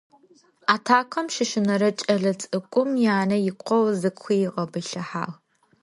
Атакъэм щыщынэрэ кӀэлэ цӀыкӀум янэ икъогъу зыкъуигъэбылъыхьагъ.